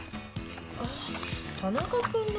あっ田中君の。